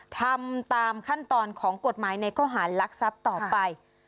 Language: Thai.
ทำตามขั้นตอนของกฎหมายในข้อหารลักทรัพย์ต่อไป